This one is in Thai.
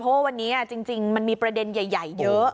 เพราะว่าวันนี้จริงมันมีประเด็นใหญ่เยอะ